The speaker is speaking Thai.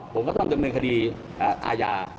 ผมก็ต้องดำเนินคดีอาญา